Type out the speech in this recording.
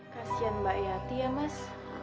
kasian mbak yati ya mas